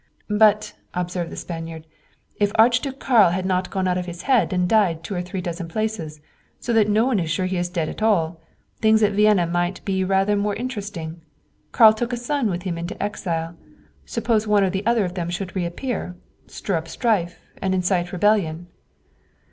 "But," observed the Spaniard, "if the Archduke Karl had not gone out of his head and died in two or three dozen places, so that no one is sure he is dead at all, things at Vienna might be rather more interesting. Karl took a son with him into exile. Suppose one or the other of them should reappear, stir up strife and incite rebellion